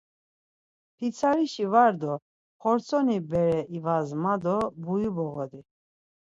Pitsarişi var do xortsoni bere ivas ma do buyu voğodi.